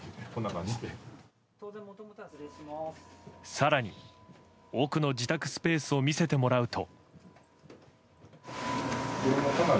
更に、奥の自宅スペースを見せてもらうと。